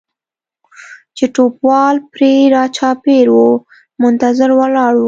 چې ټوپکوال پرې را چاپېر و منتظر ولاړ و.